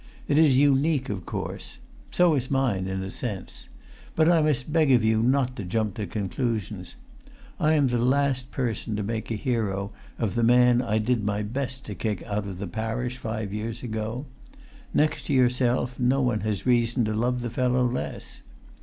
It is unique, of course. So is mine, in a sense. But I must beg of you not to jump to conclusions. I am the last per[Pg 343]son to make a hero of the man I did my best to kick out of the parish five years ago; next to yourself, no one has reason to love the fellow less.